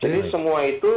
jadi semua itu